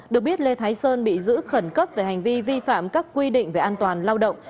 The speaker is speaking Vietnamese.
được biết lê thái sơn bị giữ khẩn cấp về hành vi vi phạm các quy định về an toàn lao động